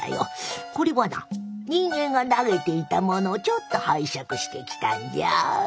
これはな人間が投げていたものをちょっと拝借してきたんじゃ。